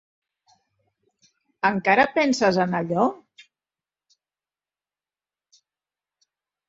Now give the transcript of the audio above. Encara penses en allò?